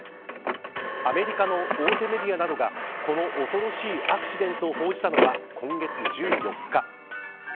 アメリカの大手メディアなどがこの恐ろしいアクシデントを報じたのは、今月１４日。